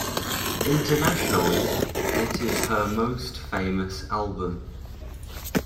Internationally, it is her most famous album.